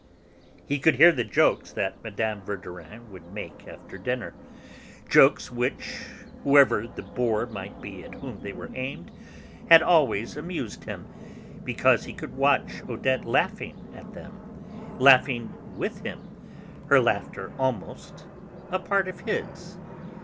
He could hear the jokes that Mme. Verdurin would make after dinner, jokes which, whoever the 'bore' might be at whom they were aimed, had always amused him because he could watch Odette laughing at them, laughing with him, her laughter almost a part of his.